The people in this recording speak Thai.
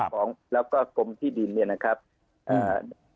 ของแล้วก็กรมที่ดินเนี่ยนะครับอ่า